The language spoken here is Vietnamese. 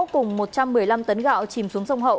cùng một trăm một mươi năm tấn gạo chìm xuống sông hậu